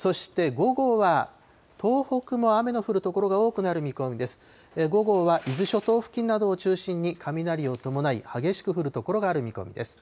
午後は伊豆諸島付近などを中心に雷を伴い、激しく降る所がある見込みです。